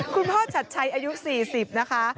คุณพ่อชัดใช้อายุ๔๐นะคะ